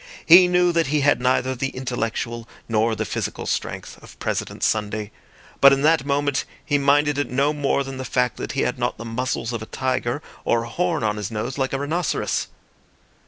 He knew that he had neither the intellectual nor the physical strength of President Sunday; but in that moment he minded it no more than the fact that he had not the muscles of a tiger or a horn on his nose like a rhinoceros.